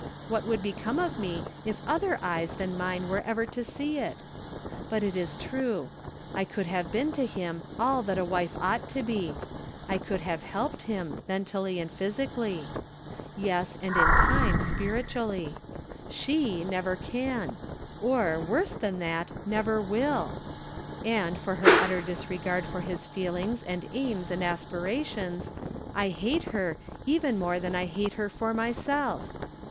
What would become of me if other eyes than mine were ever to see it? But it is true. I could have been to him all that a wife ought to From Different Standpoints. 225 be ; I could have helped him, mentally and phy sically ; yes, and ia time, spiritually. She never can; or, worse than that, never will. And for her utter disregard for his feelings, and aims, and aspirations, I hate her, even more than I hate her for myself.